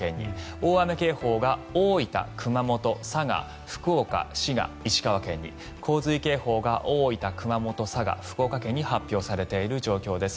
大雨警報が大分、熊本、佐賀福岡、滋賀、石川県に洪水警報が大分、熊本佐賀、福岡県に発表されている状況です。